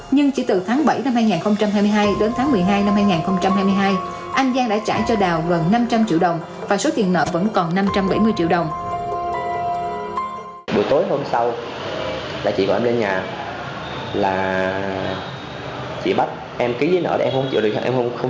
nhưng chỉ từ tháng bảy năm hai nghìn hai mươi hai đến tháng một mươi hai năm hai nghìn hai mươi hai anh giang đã trả cho đào gần năm trăm linh triệu đồng và số tiền nợ vẫn còn năm trăm bảy mươi triệu đồng